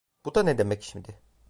Bu da ne demek şimdi?